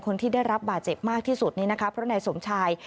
คนที่ได้รับบาดเจ็บมากที่สุดนี่นะคะเพราะนายสมชาย